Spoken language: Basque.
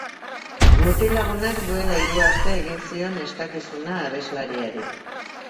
Mutil-lagunak duela hiru aste egin zion eskakizuna abeslariari.